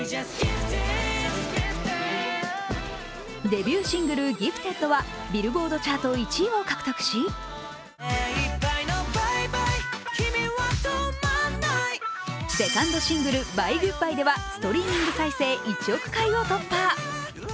デビューシングル「Ｇｉｆｔｅｄ」はビルボートチャート１位を獲得しセカンドシングル「Ｂｙｅ−Ｇｏｏｄ−Ｂｙｅ」では、ストリーミング再生１億回を突破。